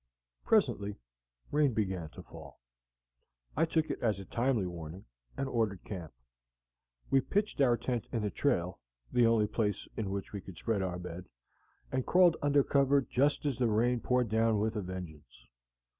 Presently rain began to fall. I took it as a timely warning, and ordered camp. We pitched our tent in the trail, the only place in which we could spread our bed, and crawled under cover just as the rain poured down with a vengeance.